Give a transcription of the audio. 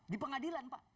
di pengadilan pak